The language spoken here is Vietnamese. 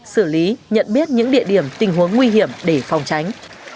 xử lý nhận biết những địa điểm tình huống nguy hiểm để phòng tránh